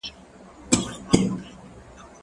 ايا ته لوبه کوې.